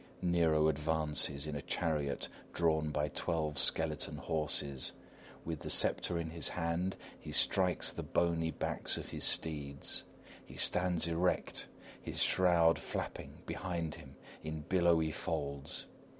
[_Nero advances in a chariot drawn by twelve skeleton horses. With the sceptre in his hand, he strikes the bony backs of his steeds. He stands erect, his shroud flapping behind him in billowy folds.